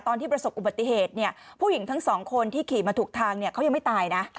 ตอนที่ประสบอุปัติเหตุเนี่ยผู้หญิงทั้ง๒คนที่ขี่มาถูกทางเนี่ย